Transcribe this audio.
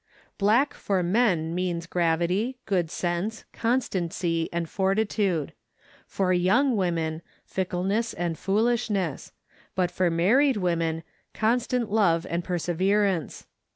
Black for men means gravity, good sense, constancy, and fortitude; for young women, fickleness and foolishness, but for married women, constant love and perseverance.